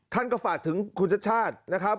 ท่านก็ฝากถึงคุณชาติชาตินะครับ